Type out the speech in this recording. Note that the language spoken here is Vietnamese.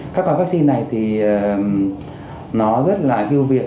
các gói vaccine này thì nó rất là hưu việt